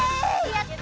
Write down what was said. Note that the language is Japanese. やった！